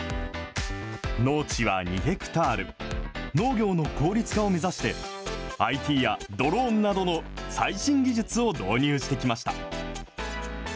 農地は２ヘクタール、農業の効率化を目指して、ＩＴやドローンなどの最新技術を導入してきました。